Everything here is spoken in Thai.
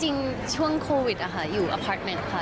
จริงช่วงโควิดอยู่อพาร์ทเมนต์ค่ะ